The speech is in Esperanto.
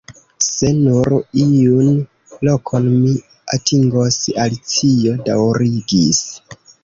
"Se nur iun lokon mi atingos," Alicio daŭrigis.